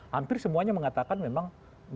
hampir semuanya mengatakan memang